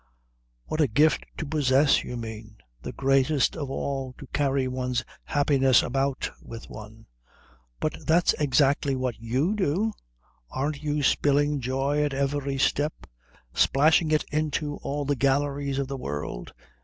"What a gift to possess, you mean. The greatest of all. To carry one's happiness about with one." "But that's exactly what you do. Aren't you spilling joy at every step? Splashing it into all the galleries of the world?